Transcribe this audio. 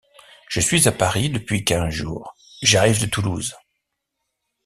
Je suis à Paris depuis quinze jours, jʼarrive de Toulouse.